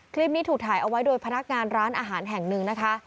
คลิปนี้ถูกถ่ายเอาไว้โดยพนักงานร้านอาหารแห่งหนึ่งนะคะ